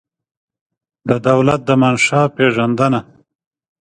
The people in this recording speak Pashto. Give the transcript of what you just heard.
د دولت د منشا پېژندنه